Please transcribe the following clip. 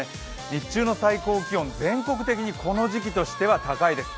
日中の最高気温、全国的にこの時期としては高いです。